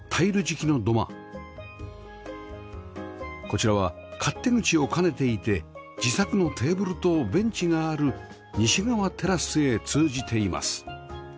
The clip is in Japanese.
こちらは勝手口を兼ねていて自作のテーブルとベンチがある西側テラスへ通じています